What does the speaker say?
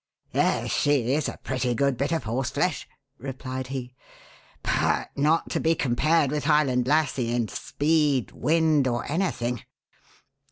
"Yes, she is a pretty good bit of horseflesh," replied he, "but not to be compared with Highland Lassie in speed, wind, or anything.